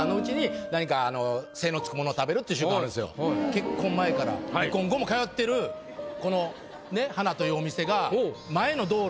結婚前から離婚後も通ってるこの「はな」というお店が。